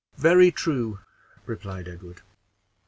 "Very true," replied Edward.